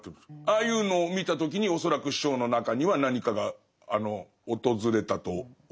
ああいうのを見た時に恐らく師匠の中には何かが訪れたと思う。